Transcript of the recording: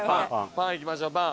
パンいきましょうパン。